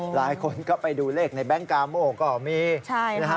หลายคนก็ไปดูเลขในแบงค์กาโม่ก็มีนะฮะ